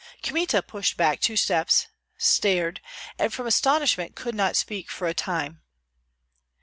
Kmita pushed back two steps, stared, and from astonishment could not speak for a time.